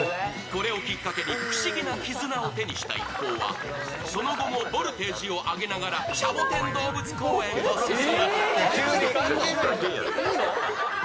これをきっかけに不思議な絆を手にした一行はその後もボルテージを上げながらシャボテン動物公園を進む。